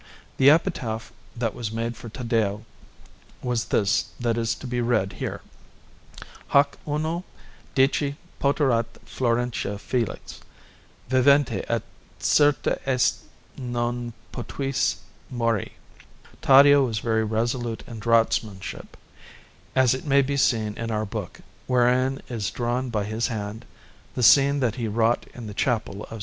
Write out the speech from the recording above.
The epitaph that was made for Taddeo was this that is to be read here: HOC UNO DICI POTERAT FLORENTIA FELIX VIVENTE; AT CERTA EST NON POTUISSE MORI. Taddeo was very resolute in draughtsmanship, as it may be seen in our book, wherein is drawn by his hand the scene that he wrought in the Chapel of S.